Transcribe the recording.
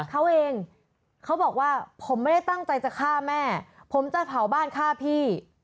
เขาเองเขาบอกว่าผมไม่ได้ตั้งใจจะฆ่าแม่ผมจะเผาบ้านฆ่าพี่